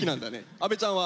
阿部ちゃんは？